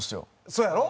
そうやろ？